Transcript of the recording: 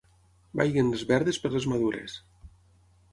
Vagin les verdes per les madures.